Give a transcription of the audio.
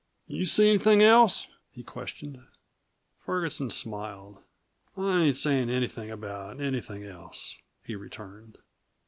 "You see anything else?" he questioned. Ferguson smiled. "I ain't sayin' anything about anything else," he returned.